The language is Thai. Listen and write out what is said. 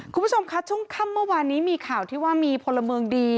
คุณผู้ชมคะช่วงค่ำเมื่อวานนี้มีข่าวที่ว่ามีพลเมืองดี